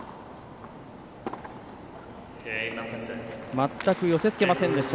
全く寄せつけませんでした。